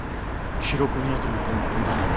廣國屋ともあろう大店が。